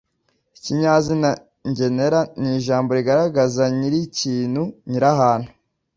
ikinyazina ngenera ni ijambo rigaragaza nyiri ikintu nyiri ahantu